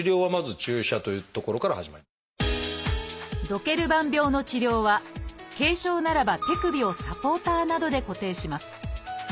ドケルバン病の治療は軽症ならば手首をサポーターなどで固定します。